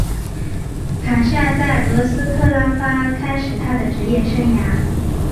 卡夏在俄斯特拉发开始他的职业生涯。